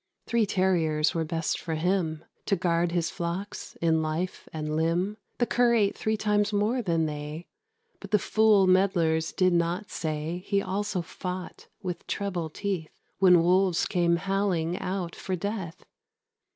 Three terriers were best for him, To guard his flocks, in life and limb: The cur ate three times more than they. But the fool meddlers did not say He also fought with treble teeth, When wolves came howling out for death.